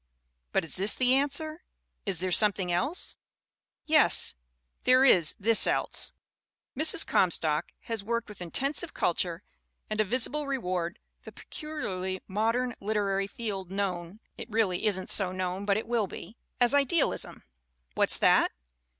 But is this the answer? Is there something else? Yes, there is this else. Mrs. Comstock has worked with intensive culture and a visible reward the pecu liarly modern literary field known (it really isn't so known but it will be) as idealism. What's that?